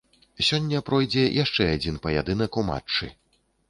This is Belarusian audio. Сёння пройдзе яшчэ адзін паядынак у матчы.